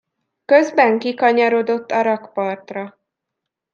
Közben kikanyarodott a rakpartra.